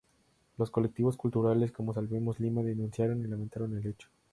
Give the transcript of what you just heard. Los colectivos culturales, como Salvemos Lima, denunciaron y lamentaron el hecho.